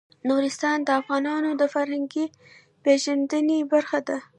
نورستان د افغانانو د فرهنګي پیژندنې برخه ده.